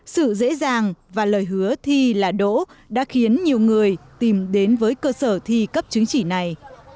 sự dễ dàng và lời hứa thi là đỗ đã khiến nhiều người tìm đến với cơ sở thi cấp chứng chỉ này